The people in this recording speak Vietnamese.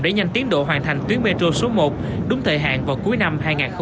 để nhanh tiến độ hoàn thành tuyến metro số một đúng thời hạn vào cuối năm hai nghìn hai mươi